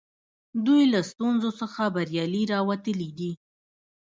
دوی له ستونزو څخه بریالي راوتلي دي.